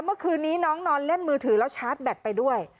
เมื่อคืนนี้น้องนอนเล่นมือถือแล้วชาร์จแบตไปด้วย